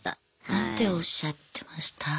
何ておっしゃってました？